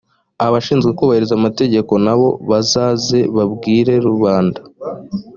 abashinzwe kubahiriza amategeko na bo bazaze babwire rubanda